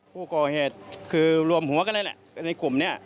ผู้ก่อเหตุคือรวมหัวกันเลยแหละในกลุ่มนี้